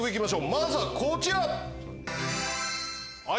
まずはこちら！